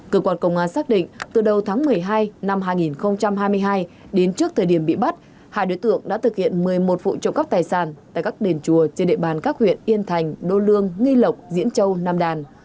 cơ quan công an xác định từ đầu tháng một mươi hai năm hai nghìn hai mươi hai đến trước thời điểm bị bắt hai đối tượng đã thực hiện một mươi một vụ trộm cắp tài sản tại các đền chùa trên địa bàn các huyện yên thành đô lương nghi lộc diễn châu nam đàn